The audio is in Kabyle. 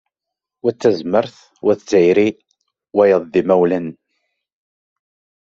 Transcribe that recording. Wa d tazmart, wa d tayri, wayeḍ d imawlan.